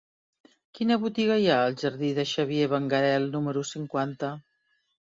Quina botiga hi ha al jardí de Xavier Benguerel número cinquanta?